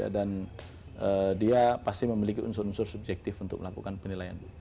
dan dia pasti memiliki unsur unsur subjektif untuk melakukan penilaian